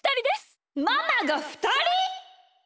ママがふたり！？